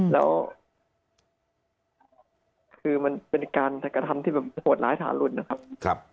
แล้วคือมันเป็นการกระทำที่แบบโหดร้ายทารุณนะครับ